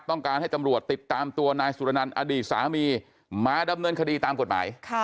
ต้องการให้ตำรวจติดตามตัวนายสุรนันต์อดีตสามีมาดำเนินคดีตามกฎหมาย